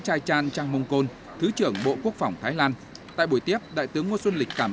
chai chan trang mong kon thứ trưởng bộ quốc phòng thái lan tại buổi tiếp đại tướng ngo xuân lịch cảm